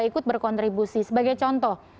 ikut berkontribusi sebagai contoh